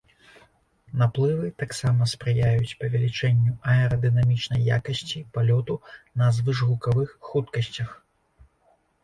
Наплывы таксама спрыяюць павелічэнню аэрадынамічнай якасці палёту на звышгукавых хуткасцях.